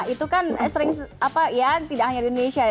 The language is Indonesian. itu kan sering apa ya tidak hanya di indonesia